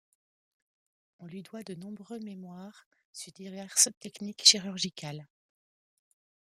On lui doit de nombreux mémoires sur diverses techniques chirurgicales.